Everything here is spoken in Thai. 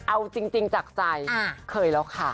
เอาจริงจากใจเคยแล้วค่ะ